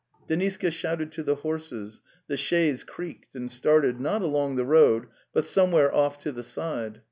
"' Deniska shouted to the horses, the chaise creaked and started, not along the road, but somewhere off to the side.